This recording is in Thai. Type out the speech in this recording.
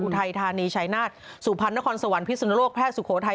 ไทยธานีชัยนาฏสุพรรณนครสวรรค์พิสุนโลกแพทย์สุโขทัย